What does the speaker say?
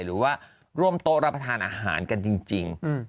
หรือว่าร่วมโต๊ะรับประทานอาหารกันจริง